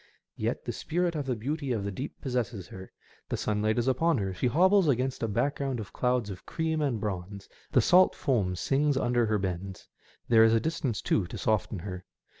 Yet the spirit of the beauty of the deep possesses her ; the sunlight is upon her; she hobbles against a back groimd of clouds of cream and bronze, the salt foam pings under her bends, there is distance, too, to soften her.